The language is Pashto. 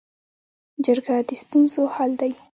جرګه د ستونزو حل دی